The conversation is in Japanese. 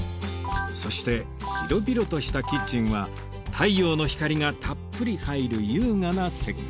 そして広々としたキッチンは太陽の光がたっぷり入る優雅な設計